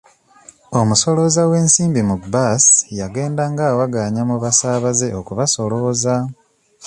Omusolooza w'ensimbi mu bbaasi yagendanga awagaanya mu basaabaze okubasolooza.